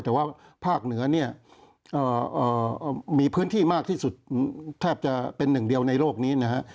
แต่ว่าภาคเหนือเนี่ยมีพื้นที่มากที่สุดแทบจะเป็นหนึ่งเดียวในโลกนี้นะฮะ